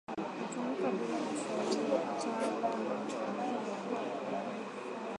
hutumika bila ushauri wa kitaalamu